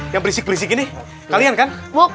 yang berisik berisik ini kalian kan